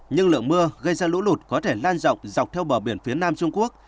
nhưng lượng mưa gây ra lũ lụt có thể lan rộng dọc theo bờ biển phía nam trung quốc